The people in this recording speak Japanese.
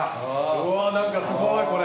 何かすごいこれ。